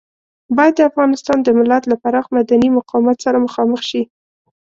بايد د افغانستان د ملت له پراخ مدني مقاومت سره مخامخ شي.